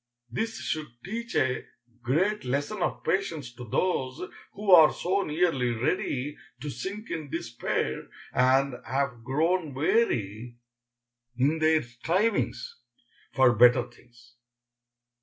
This should teach a great lesson of patience to those who are so nearly ready to sink in despair, and have grown weary in their strivings for better things.